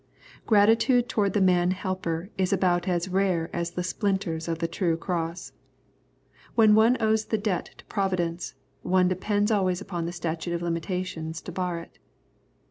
Gratitude toward the man helper is about as rare as the splinters of the true cross. When one owes the debt to Providence, one depends always upon the statute of limitations to bar it.